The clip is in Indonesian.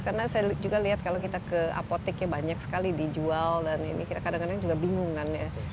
karena saya juga lihat kalau kita ke apoteknya banyak sekali dijual dan ini kita kadang kadang juga bingung kan ya